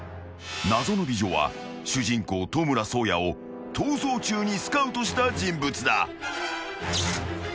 ［謎の美女は主人公トムラ颯也を『逃走中』にスカウトした人物だ］